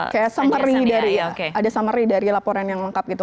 kayak summary dari laporan yang lengkap gitu